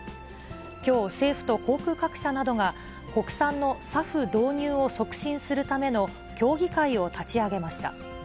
きょう、政府と航空各社などが、国産のＳＡＦ導入を促進するための協議会を立ち上げました。